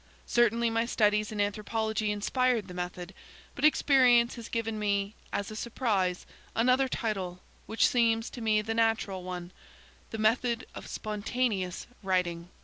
Certainly, my studies in anthropology inspired the method, but experience has given me, as a surprise, another title which seems to me the natural one, "the method of spontaneous writing."